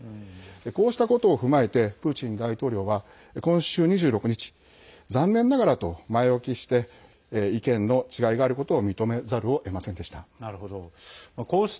こうしたことを踏まえてプーチン大統領は今週２６日残念ながらと前置きして意見の違いがあることを認めざるをえませんでした。